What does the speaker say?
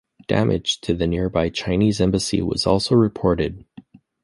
Damage to the nearby Chinese embassy was also reported.